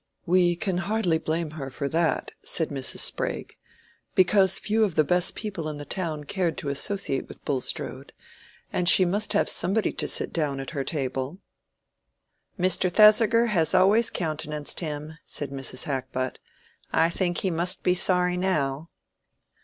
"We can hardly blame her for that," said Mrs. Sprague; "because few of the best people in the town cared to associate with Bulstrode, and she must have somebody to sit down at her table." "Mr. Thesiger has always countenanced him," said Mrs. Hackbutt. "I think he must be sorry now."